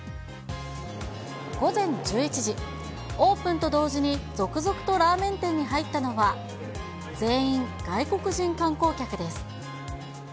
午前１１時、オープンと同時に、続々とラーメン店に入ったのは、全員、外国人観光客です。